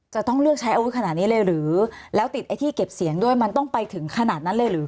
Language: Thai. จะต้องเลือกใช้อาวุธขนาดนี้เลยหรือแล้วติดไอ้ที่เก็บเสียงด้วยมันต้องไปถึงขนาดนั้นเลยหรือ